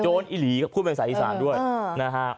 โจรอิหรีพูดเป็นศาลีสานด้วยนะฮะ